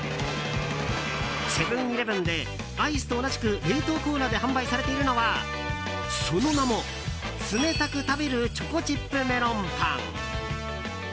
セブン‐イレブンでアイスと同じく冷凍コーナーで販売されているのはその名も、冷たく食べるチョコチップメロンパン。